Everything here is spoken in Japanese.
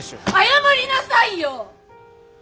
謝りなさいよ！